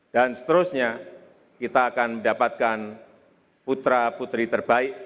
dan seterusnya kita akan mendapatkan putra putri terbaik